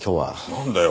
なんだよ。